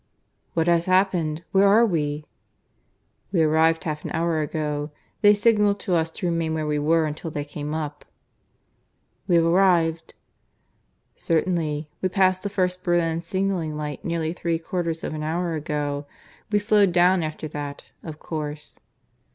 "What has happened? Where are we?" "We arrived half an hour ago. They signalled to us to remain where we were until they came up." "We have arrived!" "Certainly. We passed the first Berlin signalling light nearly three quarters of an hour ago. We slowed down after that, of course."